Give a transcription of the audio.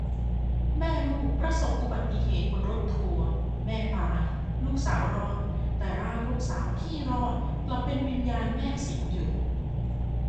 แม่ลูกประสบอุบัติเหตุบนรถทัวร์ แม่ตาย ลูกสาวรอด แต่ร่างลูกสาวที่รอดกลับเป็นวิญญาณแม่สิงอยู่